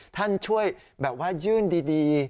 ท่านช่วยแบบว่ายื่นดี